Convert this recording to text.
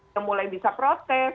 dia mulai bisa protes